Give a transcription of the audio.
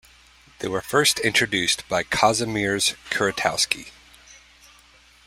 They were first introduced by Kazimierz Kuratowski.